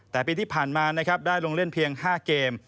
แต่ปีที่ผ่านมานะครับได้ลงเล่นเพียง๕เกม